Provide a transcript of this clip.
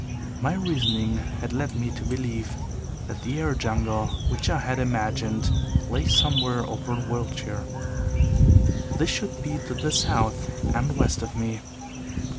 My reasoning had led me to believe that the air jungle which I had imagined lay somewhere over Wiltshire. This should be to the south and west of me.